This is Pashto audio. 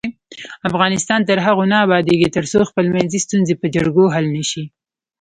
افغانستان تر هغو نه ابادیږي، ترڅو خپلمنځي ستونزې په جرګو حل نشي.